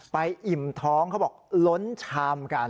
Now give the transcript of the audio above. อิ่มท้องเขาบอกล้นชามกัน